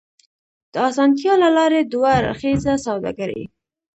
د اسانتيا له لارې دوه اړخیزه سوداګري